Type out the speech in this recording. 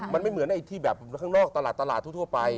มันไม่เหมือนไอ้ที่แบบข้างนอกตลาดตลาดทั่วไป